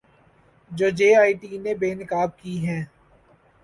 جو J I T نے بے نقاب کی ہیں